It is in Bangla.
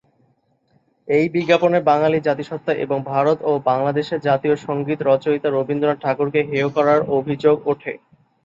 এই বিজ্ঞাপনে বাঙালি জাতিসত্তা এবং ভারত ও বাংলাদেশের জাতীয় সংগীত রচয়িতা রবীন্দ্রনাথ ঠাকুরকে হেয় করার অভিযোগ ওঠে।